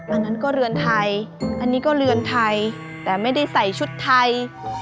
อันนั้นก็เรือนไทยอันนี้ก็เรือนไทยแต่ไม่ได้ใส่ชุดไทย